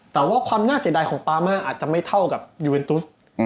แต่ว่าความน่าเสียดายของปามาอาจจะไม่เท่ากับยูเวนตุส